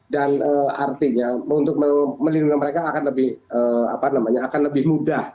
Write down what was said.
dan artinya untuk melindungi mereka akan lebih mudah